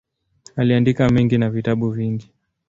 Aliandika mengi na vitabu vingi.